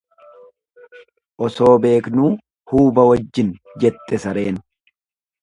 Osoo beeknuu huuba wajjin jette sareen.